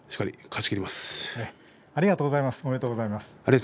おめでとうございます。